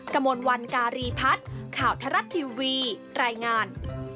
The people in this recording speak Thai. กระมวลวันการีพัฒน์ข่าวทรัฐทีวีรายงาน